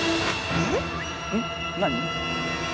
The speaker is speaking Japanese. えっ何？